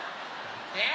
えっ？